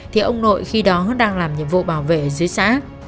thì ông nội khi đó đang làm nhiệm vụ bảo vệ dưới xã